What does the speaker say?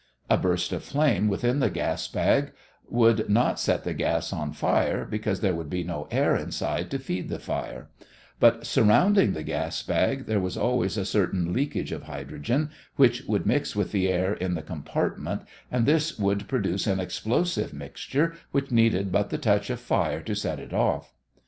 A burst of flame within the gas bag would not set the gas on fire, because there would be no air inside to feed the fire, but surrounding the gas bag there was always a certain leakage of hydrogen which would mix with the air in the compartment and this would produce an explosive mixture which needed but the touch of fire to set it off.